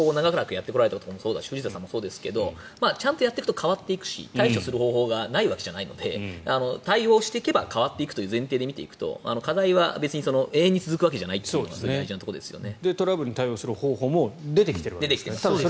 本当にそうだと思っていて山本さんが長らくやってこられたこともそうだし藤田さんもそうですがちゃんとやっていくと変わっていくし対処する方法がないわけじゃないので対応していけば変わっていく前提で見ていくと課題は別に永遠に続くわけじゃないというのが大事なところですよね。